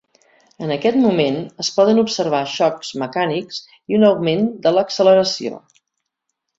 En aquest moment es poden observar xocs mecànics i un augment de l'acceleració.